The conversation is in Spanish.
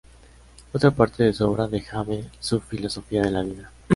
Otra parte de su obra deja ver su filosofía de la vida.